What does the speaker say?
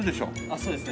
そうですね。